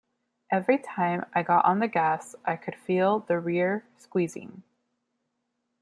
Every time I got on the gas I could feel the rear squeezing.